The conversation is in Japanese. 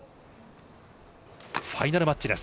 ファイナルマッチです。